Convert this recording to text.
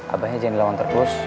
abahnya jangan dilawan terus